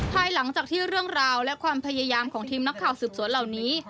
ภายหลังจากที่เรื่องราวและความพยายามของทีมนักข่าวสืบสวนเหล่านี้